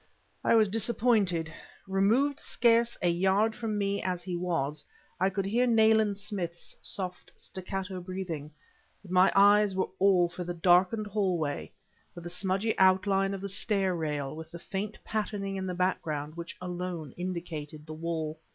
I was disappointed. Removed scarce a yard from me as he was, I could hear Nayland Smith's soft, staccato breathing; but my eyes were all for the darkened hallway, for the smudgy outline of the stair rail with the faint patterning in the background which, alone, indicated the wall.